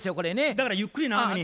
だからゆっくり長めに。